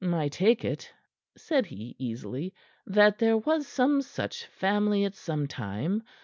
"I take it," said he easily, "that there was some such family at some time.